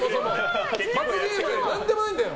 罰ゲームでも何でもないんだよ。